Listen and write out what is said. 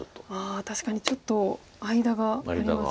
確かにちょっと間がありますか。